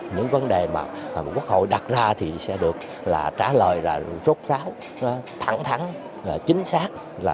những vấn đề mà quốc hội đặt ra thì sẽ được trả lời rốt ráo thẳng thẳng chính xác